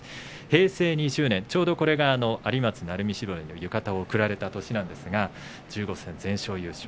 平成２０年ちょうどこれが有松鳴海絞りの浴衣を贈られた年なんですが１５戦全勝優勝